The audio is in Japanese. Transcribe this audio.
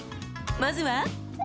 まずは］